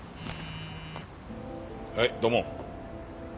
はい土門。